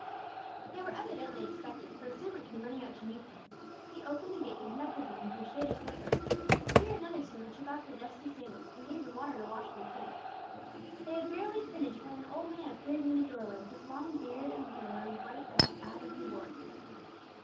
They were evidently expected, for a servant came running out to meet them. He opened the gate and conducted them into a shaded court yard. Here another servant took off their dusty sandals, and gave them water to wash their feet. They had barely finished, when an old man appeared in the doorway; his long beard and hair were white as the abba he wore.